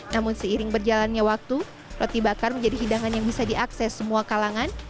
namun seiring berjalannya waktu roti bakar menjadi hidangan yang bisa diakses semua kalangan